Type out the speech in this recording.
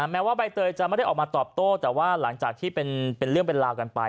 แม้ว่าใบเตยจะไม่ได้ออกมาตอบโต้แต่ว่าหลังจากที่เป็นเรื่องเป็นราวกันไป